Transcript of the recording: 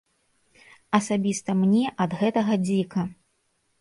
Асабіста мне ад гэтага дзіка.